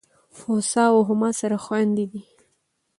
هوسا او هما سره خوندي دي.